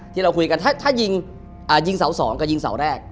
ที่เราคุยกันถ้ายิงยิงเสา๒กับยิงเสาแรก